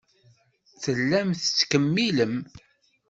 Tellam tettkemmilem.